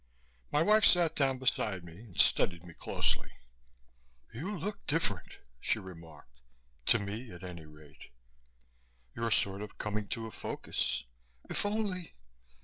My wife sat down beside me and studied me closely. "You look different," she remarked. "To me, at any rate. You're sort of coming to a focus. If only